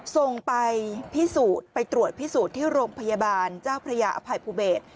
ส่งไปพิสูจน์ไปตรวจพิสูจน์ที่โรงพยาบาลเจ้าพระยาอภัยภูเบศ